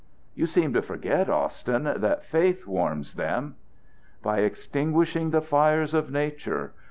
"You seem to forget, Austin, that faith warms them." "By extinguishing the fires of nature!